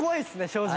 正直。